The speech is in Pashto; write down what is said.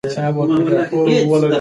خپلې پیسې په باوري ځای کې وساتئ.